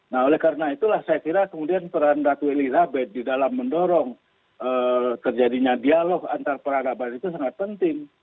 nah oleh karena itulah saya kira kemudian peran ratu elizabeth di dalam mendorong terjadinya dialog antar peradaban itu sangat penting